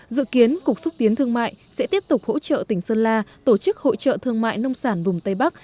dự kiến cục xúc tiến thương mại sẽ tiếp tục hỗ trợ tỉnh sơn la tổ chức hỗ trợ thương mại nông sản vùng tây bắc